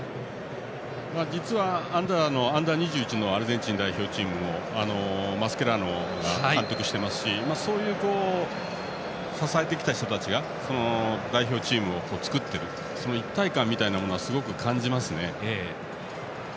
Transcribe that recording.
実はＵ−２１のアルゼンチンの代表チームもマスケラーノが監督をしてますしそういう支えてきた人たちが代表チームを作っているその一体感をすごく感じますね。